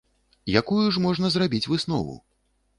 Якую ж можна зрабіць выснову?